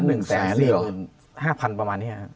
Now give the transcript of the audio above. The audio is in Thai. หรือ๕พันประมาณนี้